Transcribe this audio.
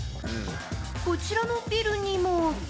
こちらのビルにも。